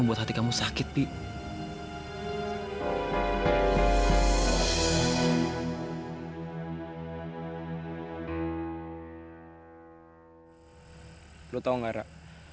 lo tau gak rak